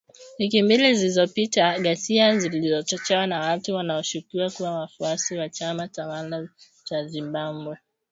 Wiki mbili zilizopita, ghasia zilizochochewa na watu wanaoshukiwa kuwa wafuasi wa chama tawala cha Zimbabwe